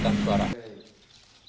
dan kemudian kembali